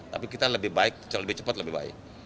tapi kita lebih baik lebih cepat lebih baik